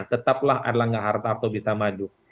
tetaplah adalah ngga harta atau bisa maju